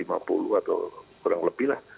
lima puluh atau kurang lebih lah